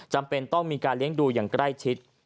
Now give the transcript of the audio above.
จำเป็นต้องมีการเลี้ยงดูอย่างใกล้ชิด